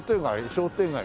商店街か。